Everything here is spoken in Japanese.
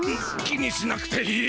気にしなくていい。